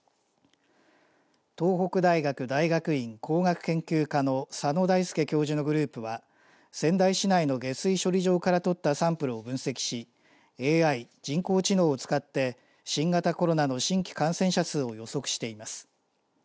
東北大学大学院工学研究科の佐野大輔教授のグループは仙台市内の下水処理場から取ったサンプルを分析しＡＩ・人工知能を使って新型コロナの新規感染者数を予測しています。